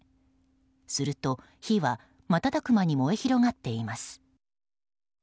すると、火は瞬く間に燃え広がっています。